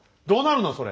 どうなるの？